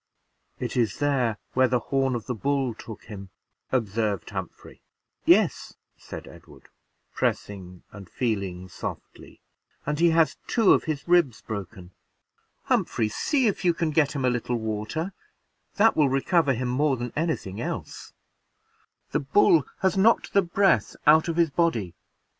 "It is there where the horn of the bull took him," observed Humphrey. "Yes," said Edward, pressing and feeling softly: "and he has two of his ribs broken. Humphrey, see if you can get him a little water, that will recover him more than any thing else; the bull has knocked the breath out of his body.